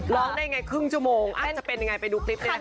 ร้องได้ไงครึ่งชั่วโมงจะเป็นยังไงไปดูคลิปเลยค่ะ